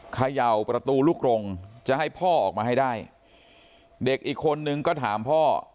เขย่าประตูลูกกรงจะให้พ่อออกมาให้ได้เด็กอีกคนนึงก็ถามพ่อ